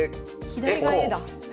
左がエだ。